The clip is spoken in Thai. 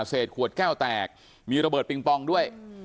เศษขวดแก้วแตกมีระเบิดปิงปองด้วย